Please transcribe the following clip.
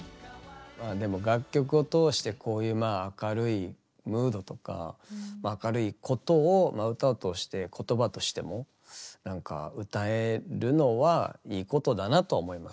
まあでも楽曲を通してこういうまあ明るいムードとか明るいことを歌として言葉としてもなんか歌えるのはいいことだなとは思います。